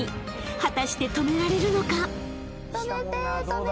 ［果たして止められるのか？］